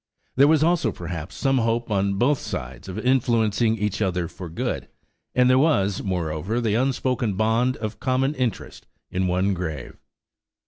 There was also, perhaps, some hope on both sides of influencing each other for good; and there was, moreover, the unspoken bond of common interest in one grave.